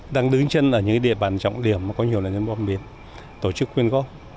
đang đứng chân ở những địa bàn trọng điểm mà có nhiều nạn nhân bom mìn tổ chức quyên góp